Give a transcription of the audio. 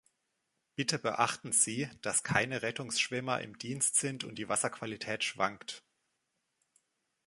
Bitte beachten Sie, dass keine Rettungsschwimmer im Dienst sind und die Wasserqualität schwankt.